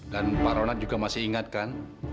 dan pak ronat juga masih ingatkan